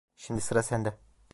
Şimdi sıra sende.